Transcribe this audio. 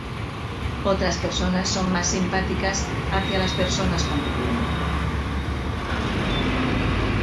Otras personas son más simpáticas hacia las personas con problemas.